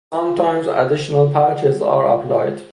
Sometimes additional patches are applied.